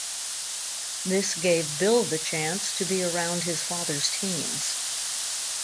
This gave Bill the chance to be around his father's teams.